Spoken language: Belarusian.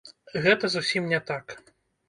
Гэта зусім не так.